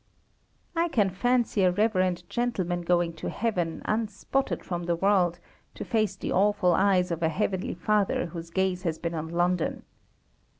I can fancy a Reverend Gentleman going to Heaven, unspotted from the world, to face the awful eyes of a Heavenly Father whose gaze has been on London.